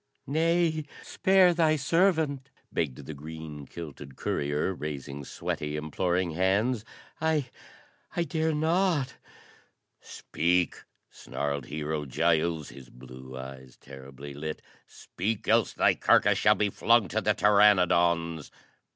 "Nay, spare thy servant!" begged the green kilted courier, raising sweaty, imploring hands. "I I dare not " "Speak!" snarled Hero Giles, his blue eyes terribly lit. "Speak! else thy carcass shall be flung to the pteranodons."